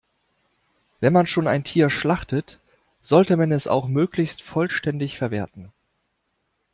Wenn man schon ein Tier schlachtet, sollte man es auch möglichst vollständig verwerten.